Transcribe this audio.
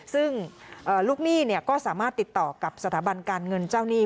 ซึ่งลูกหนี้ก็สามารถติดต่อกับสถาบันการเงินเจ้าหนี้